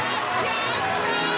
やったー！